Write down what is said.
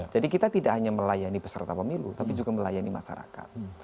jadi kita tidak hanya melayani peserta pemilu tapi juga melayani masyarakat